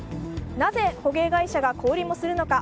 なぜ捕鯨会社が小売りもするのか？